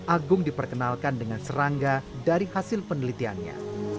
agung diperkenalkan dengan serangga dari hasil penelitiannya